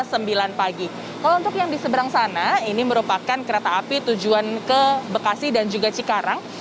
kalau untuk yang di seberang sana ini merupakan kereta api tujuan ke bekasi dan juga cikarang